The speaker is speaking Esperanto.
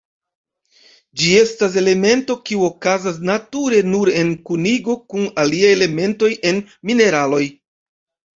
Ĝi estas elemento kiu okazas nature nur en kunigo kun aliaj elementoj en mineraloj.